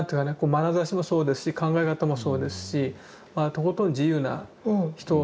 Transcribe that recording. まなざしもそうですし考え方もそうですしとことん自由な人であると。